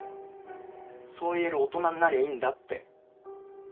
そう言える大人になりゃいいんだって。